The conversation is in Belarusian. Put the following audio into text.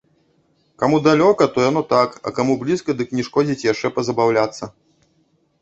Каму далёка, то яно так, а каму блізка, дык не шкодзіць яшчэ пазабаўляцца.